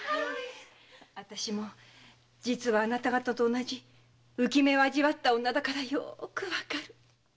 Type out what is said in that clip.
私も実はあなた方と同じ憂き目を味わった女だからよくわかる。